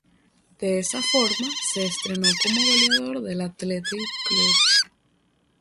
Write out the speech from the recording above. De esa forma se estrenó como goleador del Athletic Club.